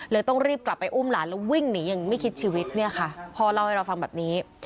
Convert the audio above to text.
ต้องรีบกลับไปอุ้มหลานแล้ววิ่งหนีอย่างไม่คิดชีวิตเนี่ยค่ะพ่อเล่าให้เราฟังแบบนี้